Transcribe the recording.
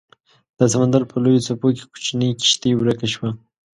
د سمندر په لویو څپو کې کوچنۍ کیشتي ورکه شوه